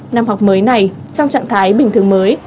năm học mới này trong trạng thái bình thường mới